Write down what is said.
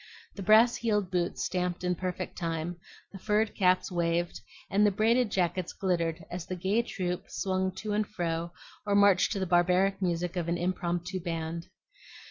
The brass heeled boots stamped in perfect time, the furred caps waved, and the braided jackets glittered as the gay troop swung to and fro or marched to the barbaric music of an impromptu band.